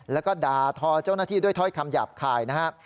แล้วก็ด่าทอเจ้าหน้าที่ด้วยถ้อยคำหยาบคายนะครับ